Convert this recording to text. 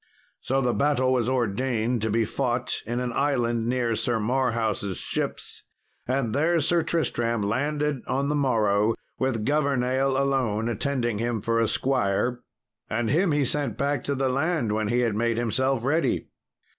So the battle was ordained to be fought in an island near Sir Marhaus' ships, and there Sir Tristram landed on the morrow, with Governale alone attending him for squire, and him he sent back to the land when he had made himself ready.